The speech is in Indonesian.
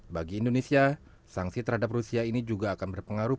bagi indonesia sanksi terhadap rusia ini juga akan berpengaruh